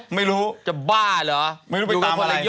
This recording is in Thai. ไม่รู้